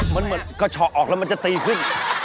มันเหมือนกระเฉาะออกแล้วมันจะตีขึ้น